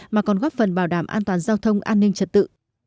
mà còn góp phần bảo đảm an toàn giao thông an ninh trật tự